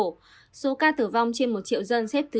số ca tử vong trên một triệu dân xếp thứ hai mươi tám